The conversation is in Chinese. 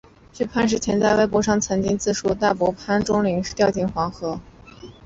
据潘石屹在微博上曾经自述大伯潘钟麟是掉进黄河。